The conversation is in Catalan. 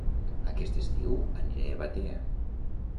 Aquest estiu aniré a Batea